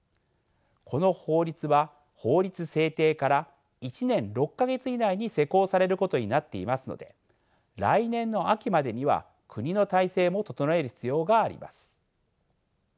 この法律は法律制定から１年６か月以内に施行されることになっていますので来年の秋までには国の体制も整える必要があります。